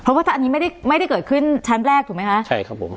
เพราะว่าถ้าอันนี้ไม่ได้ไม่ได้เกิดขึ้นชั้นแรกถูกไหมคะใช่ครับผม